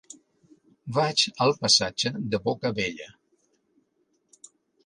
Vaig al passatge de Bocabella.